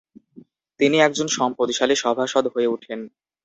তিনি একজন সম্পদশালী সভাসদ হয়ে উঠেন।